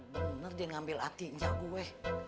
bener dia ngambil hatinya gue